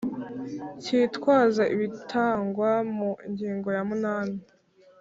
cyitwaza ibiteganywa mu ngingo ya munani